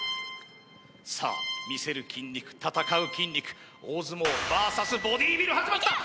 さあ見せる筋肉戦う筋肉大相撲ＶＳボディビル始まった！